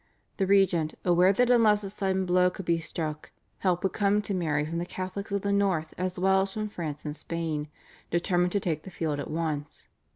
The regent, aware that unless a sudden blow could be struck help would come to Mary from the Catholics of the north as well as from France and Spain, determined to take the field at once.